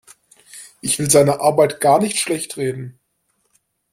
Ich will seine Arbeit gar nicht schlechtreden.